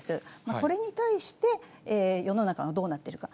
これに対して、世の中がどうなっていくか。